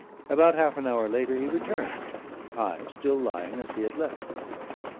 About half an hour later he returned I still lying as he had left me.